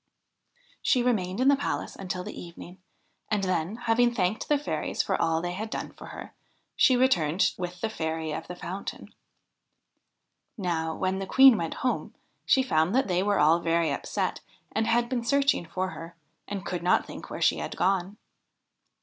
She remained in the palace until the evening, and then, having thanked the fairies for all they had done for her, she returned with the Fairy of the Fountain. Now, when the Queen went home, she found that they were all very upset, and had been searching for her, and could not think where she had gone.